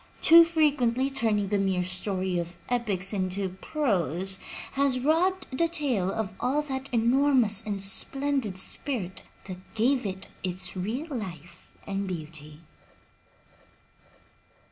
Too frequently turning the mere story of the epics into prose has robbed the tale of all that enormous and splendid spirit that gave it its real life and beauty.